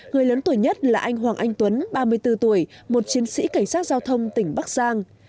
người lớn tuổi nhất là anh hoàng anh tuấn ba mươi bốn tuổi một chiến sĩ cảnh sát giao thông tỉnh bắc giang